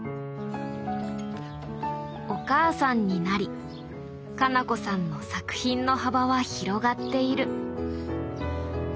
お母さんになり花菜子さんの作品の幅は広がっている。